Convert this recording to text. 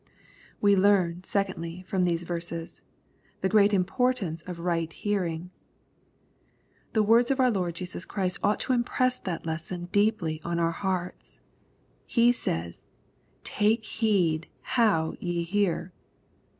We learn, secondly, from these verses, the great im ^/ portance of right hearing. The words of our Lord Jesus Christ ought to impress that lesson deeply on our hearts. He says, " Take heed how ye hear."